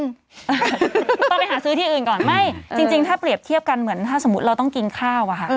ต้องไปหาซื้อที่อื่นก่อนไม่จริงถ้าเปรียบเทียบกันเหมือนถ้าสมมุติเราต้องกินข้าวอะค่ะ